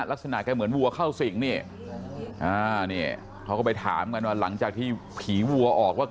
ลักษณะแกเหมือนวัวเข้าสิงนี่เขาก็ไปถามกันว่าหลังจากที่ผีวัวออกว่า